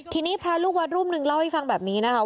ทีนี้พระลูกวัดรูปหนึ่งเล่าให้ฟังแบบนี้นะคะ